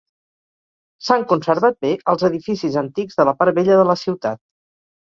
S'han conservat bé els edificis antics de la part vella de la ciutat.